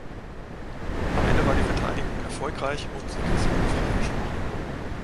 Am Ende war die Verteidigung erfolgreich und Sickles wurde freigesprochen.